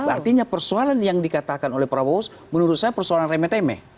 artinya persoalan yang dikatakan oleh prabowo menurut saya persoalan remeh temeh